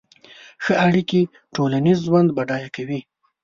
ښه اړیکې ټولنیز ژوند بډای کوي.